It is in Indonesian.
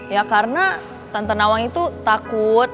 ya karena tante nawang itu takut